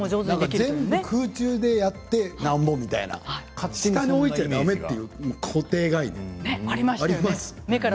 空中でやってなんぼみたいな下に置いちゃだめという固定概念がありました。